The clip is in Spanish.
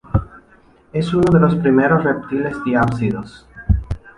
Es uno de los primeros reptiles diápsidos.